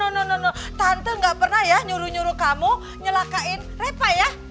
eh no no no tante gak pernah ya nyuruh nyuruh kamu nyelakain reva ya